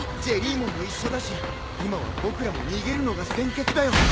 ジェリーモンも一緒だし今は僕らも逃げるのが先決だよ。